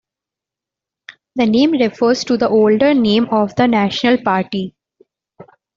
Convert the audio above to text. The name refers to the older name of the National Party.